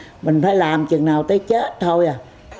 nói chung là mình phải làm chừng nào tới chết thôi à